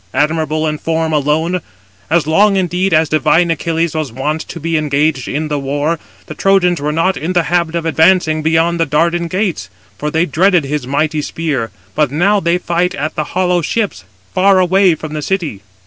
admirable in form [alone]. As long, indeed, as divine Achilles was wont to be engaged in the war, the Trojans were not in the habit of advancing beyond the Dardan gates; for they dreaded his mighty spear; but now they fight at the hollow ships, far away from the city."